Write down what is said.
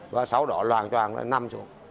và sau đó loàn toàn là nằm xuống